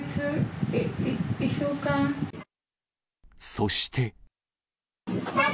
そして。